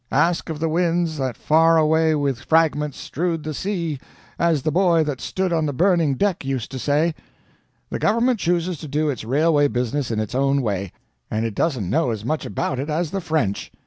Ask of the winds that far away with fragments strewed the sea, as the boy that stood on the burning deck used to say. The government chooses to do its railway business in its own way, and it doesn't know as much about it as the French.